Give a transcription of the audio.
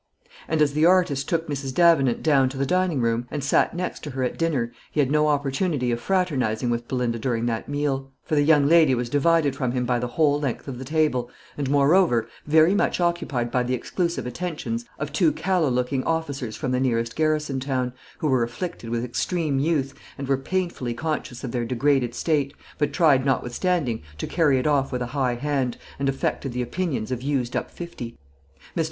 And as the artist took Mrs. Davenant down to the dining room, and sat next her at dinner, he had no opportunity of fraternising with Belinda during that meal; for the young lady was divided from him by the whole length of the table and, moreover, very much occupied by the exclusive attentions of two callow looking officers from the nearest garrison town, who were afflicted with extreme youth, and were painfully conscious of their degraded state, but tried notwithstanding to carry it off with a high hand, and affected the opinions of used up fifty. Mr.